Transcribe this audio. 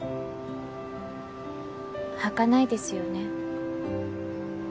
はかないですよね。